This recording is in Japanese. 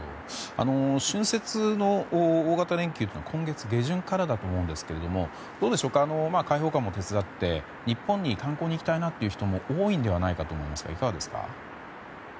春節の大型連休というのは今月下旬からだと思うんですけれども解放感も手伝って、日本に観光に行きたいなという人も多いんではないかと思いますがどうですか？